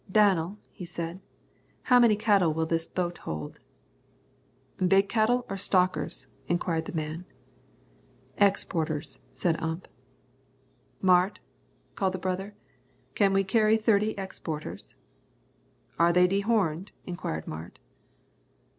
"Danel," he said, "how many cattle will this boat hold?" "Big cattle or stockers?" inquired the man. "Exporters," said Ump. "Mart," called the brother, "can we carry thirty exporters?" "Are they dehorned?" inquired Mart.